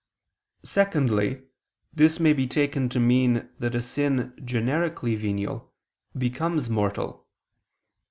Secondly, this may be taken to mean that a sin generically venial, becomes mortal.